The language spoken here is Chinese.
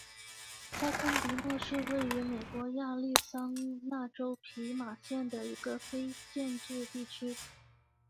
塞昆迪诺是位于美国亚利桑那州皮马县的一个非建制地区。